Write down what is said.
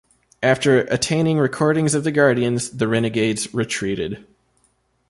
After attaining recordings of the Guardians the Renegades retreated.